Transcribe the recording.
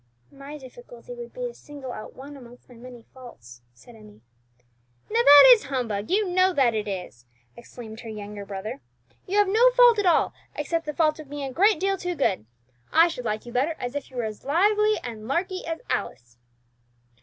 "My difficulty would be to single out one amongst my many faults," said Emmie. "Now that is humbug; you know that it is!" exclaimed her youngest brother. "You have no fault at all, except the fault of being a great deal too good. I should like you better if you were as lively and larky as Alice!"